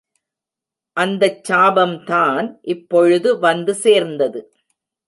அந்தச் சாபம்தான் இப்பொழுது வந்து சேர்ந்தது.